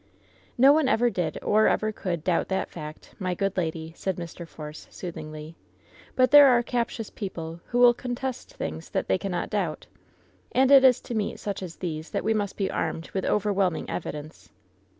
"No one ever did or ever could doubt that fact, my good lady," said Mr. Force, soothingly; ^T)ut there are captious people who will contest things that they cannot doubt. And it is to meet such as these that we must be armed with overwhelming evidence."